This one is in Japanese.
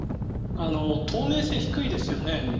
透明性低いですよね。